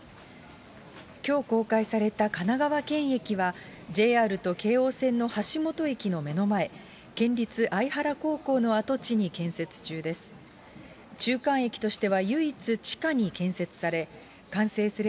きょう公開された神奈川県駅は、ＪＲと京王線の橋本駅の目の前、県立相原高校の跡地に建設中です。